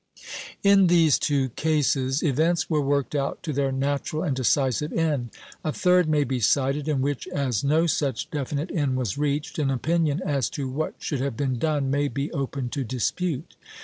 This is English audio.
In these two cases events were worked out to their natural and decisive end. A third may be cited, in which, as no such definite end was reached, an opinion as to what should have been done may be open to dispute.